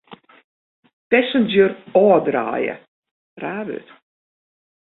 Passenger ôfdraaie.